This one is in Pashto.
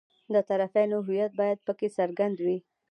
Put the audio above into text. د طرفینو هویت باید په کې څرګند وي.